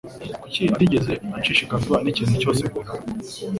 Kuki atigeze ashishikazwa n'ikintu cyose nkora?